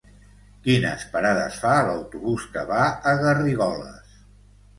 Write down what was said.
Quines parades fa l'autobús que va a Garrigoles?